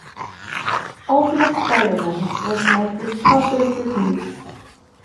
"Ultimate Spider-Man" was met with positive reviews.